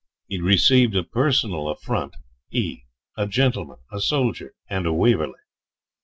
He had received a personal affront he, a gentleman, a soldier, and a Waverley.